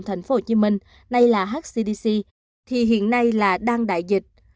tp hcm nay là hcdc thì hiện nay là đang đại dịch